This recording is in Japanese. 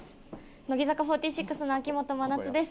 乃木坂４６の秋元真夏です。